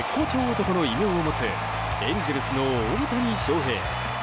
男の異名を持つエンゼルスの大谷翔平。